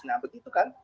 nah begitu kan